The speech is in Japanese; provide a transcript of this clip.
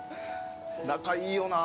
仲いいよな。